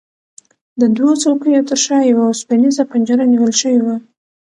د دوو څوکیو ترشا یوه اوسپنیزه پنجره نیول شوې وه.